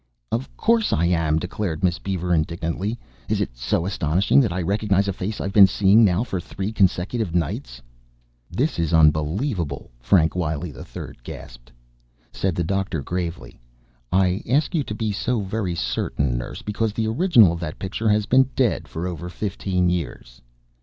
"Of course I am," declared Miss Beaver indignantly. "Is it so astonishing that I recognize a face I've been seeing now for three consecutive nights?" "This is unbelievable," Frank Wiley III gasped. Said the doctor gravely: "I ask you to be so very certain, nurse, because the original of that picture has been dead for over fifteen years."